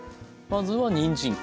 まずはにんじん。